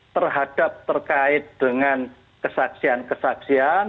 terhadap terkait dengan kesaksian kesaksian